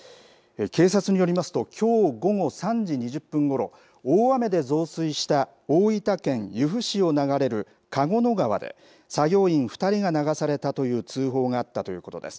警察によりますと、きょう午後３時２０分ごろ、大雨で増水した大分県由布市を流れる花合野川で、作業員２人が流されたという通報があったということです。